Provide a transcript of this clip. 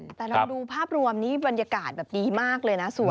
แต่น้องดูภาพรวมนี้บรรยากาศแบบนี้มากเลยนะสวยมาก